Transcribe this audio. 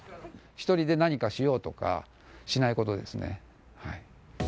１人で何かしようとかしないことですね。